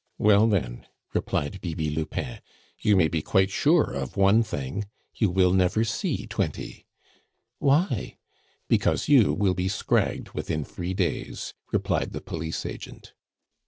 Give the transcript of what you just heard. "Well, then," replied Bibi Lupin, "you may be quite sure of one thing you will never see twenty." "Why?" "Because you will be scragged within three days," replied the police agent.